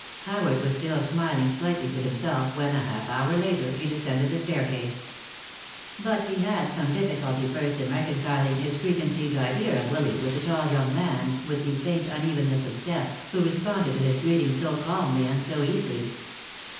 Howard was still smiling slightly to himself when, a half hour later, he descended the staircase. But he had some difficulty first in reconciling his preconceived idea of Willy with the tall young man, with the faint unevenness of step, who responded to his greeting so calmly and so easily.